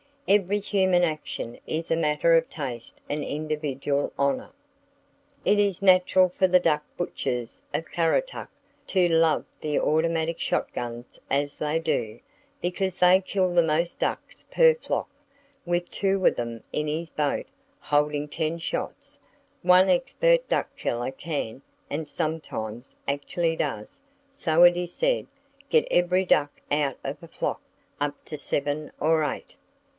Every human action is a matter of taste and individual honor. It is natural for the duck butchers of Currituck to love the automatic shot guns as they do, because they kill the most ducks per flock. With two of them in his boat, holding ten shots, one expert duck killer can,—and sometimes actually does, so it is said,—get every duck out of a flock, up to seven or eight.